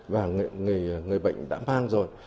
và người bệnh đã mang rồi